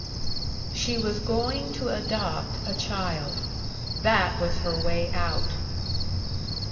She was going to adopt a child. That was her way out.